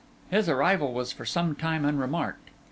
His arrival was for some time unremarked.